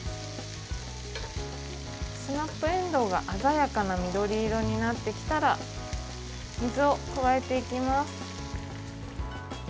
スナップえんどうが鮮やかな緑色になってきたら水を加えていきます。